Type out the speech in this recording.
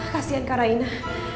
kasian kak raina